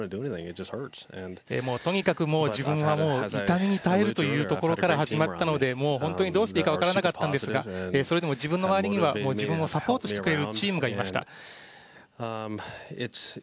とにかく自分は痛みに耐えるというところから始まったので本当にどうしていいか分からなかったんですが、それでも自分の周りには自分をサポートしてくれるチームがいました。